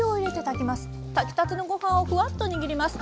炊きたてのご飯をフワッと握ります。